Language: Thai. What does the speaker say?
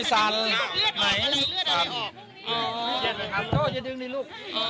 โจ้จะดึงเลยลูก